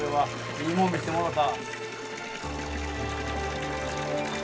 いいもん見せてもろた。